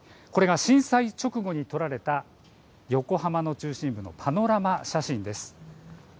震災直後に撮られた横浜の中心部のパノラマ写真です。